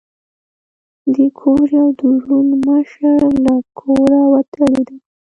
د کور یو دروند مشر له کوره وتلی دی.